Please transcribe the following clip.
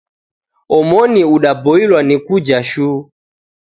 Omoni udaboilwa ni kuja shuu.